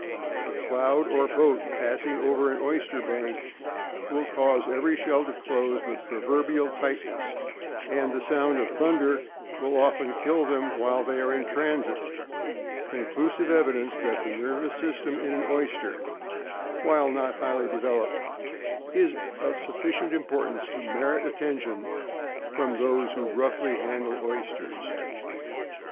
A cloud or a boat passing over an oyster bank will cause every shell to close with proverbial tightness, and the sound of thunder will often kill them while they are in transit, conclusive evidence that the nervous system in an oyster, while not highly developed, is of sufficient importance to merit attention from those who roughly handle oysters.